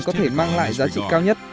có thể mang lại giá trị cao nhất